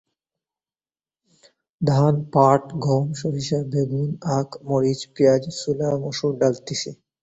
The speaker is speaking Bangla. ধান, পাট, গম, সরিষা, বেগুন, আখ, মরিচ, পেঁয়াজ, ছোলা মসুর ডাল তিসি।